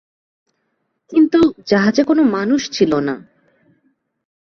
কিন্তু জাহাজে কোন মানুষ ছিল না।